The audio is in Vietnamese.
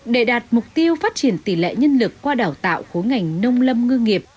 để đạt mục tiêu phát triển tỷ lệ nhân lực qua đào tạo khối ngành nông lâm ngư nghiệp